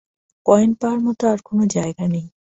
Coin পাওয়ার মতো আর কোনো জায়গা নেই।